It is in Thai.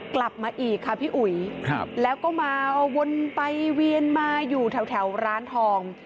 กลับมาอีกค่ะพี่อุ๋ยแล้วก็มาวนไปเวียนมาอยู่แถวร้านทอง